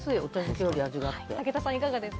ヒロミさん、いかがですか。